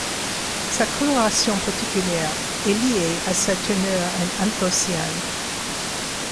Sa coloration particulière est liée à sa teneur en anthocyane.